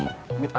buduh amat lah